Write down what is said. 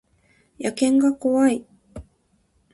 野犬が怖い